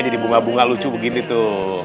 jadi bunga bunga lucu begini tuh